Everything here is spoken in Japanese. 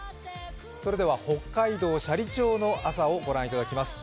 それでは北海道斜里町の朝をご覧いただきます。